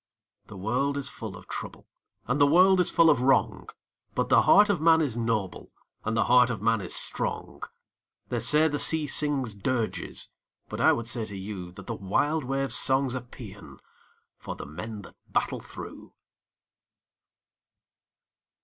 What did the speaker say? The world is full of trouble, And the world is full of wrong, But the heart of man is noble, And the heart of man is strong! They say the sea sings dirges, But I would say to you That the wild wave's song's a paean For the men that battle through.